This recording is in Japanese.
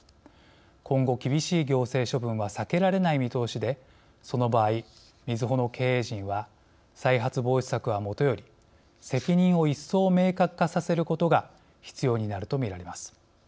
今後、厳しい行政処分は避けられない見通しでその場合、みずほの経営陣は再発防止策はもとより責任を一層、明確化させることが必要になるとみられます。